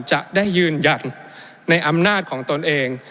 จะได้ยืนยันในอำนาจของตนเอง